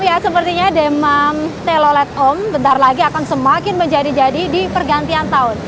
ya sepertinya demam telolet om bentar lagi akan semakin menjadi jadi di pergantian tahun